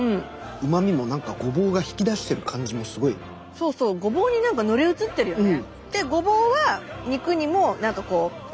そうそうごぼうに何か乗り移ってるよね。